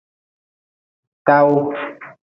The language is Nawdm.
Tawu.